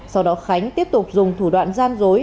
sau đó khánh tiếp tục dùng thủ đoạn gian dối